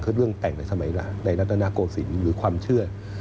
คือเรื่องแต่งในสมัยในรัฐนาโกศิลป์หรือความเชื่อ